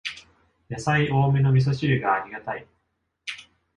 やさい多めのみそ汁がありがたい